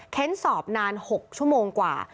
สอบนาน๖ชั่วโมงกว่า